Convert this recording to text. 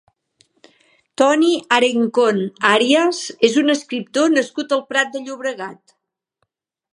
Toni Arencón Arias és un escriptor nascut al Prat de Llobregat.